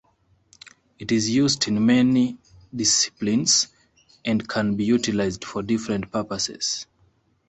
It is used in many disciplines and can be utilized for different purposes.